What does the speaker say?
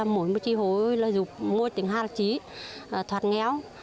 mỗi tri hối là dục môi tiếng hai là trí thuật nghéo